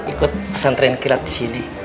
ikut pesantren kirat disini